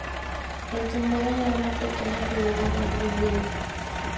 El tendero le da una pequeña figura de un Wendigo.